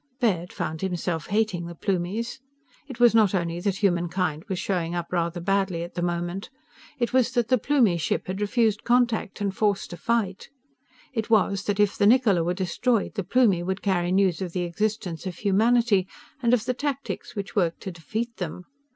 _" Baird found himself hating the Plumies. It was not only that humankind was showing up rather badly, at the moment. It was that the Plumie ship had refused contact and forced a fight. It was that if the Niccola were destroyed the Plumie would carry news of the existence of humanity and of the tactics which worked to defeat them.